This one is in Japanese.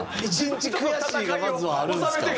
１日「悔しい」がまずはあるんですか。